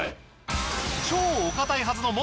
超お堅いはずの元